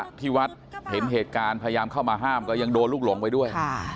ที่วัดเห็นเหตุการณ์พยายามเข้ามาห้ามก็ยังโดนลูกหลงไปด้วย